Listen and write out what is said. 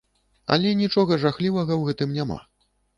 Але нічога жахлівага ў гэтым няма.